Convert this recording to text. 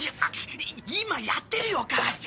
今やってるよ母ちゃん。